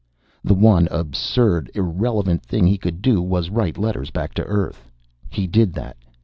The one absurd, irrelevant thing he could do was write letters back to Earth. He did that.